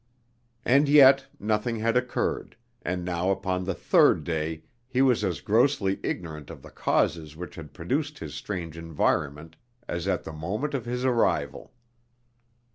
And yet nothing had occurred, and now upon the third day he was as grossly ignorant of the causes which had produced his strange environment as at the moment of his arrival.